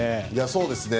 そうですね。